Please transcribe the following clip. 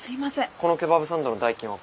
このケバブサンドの代金は５００円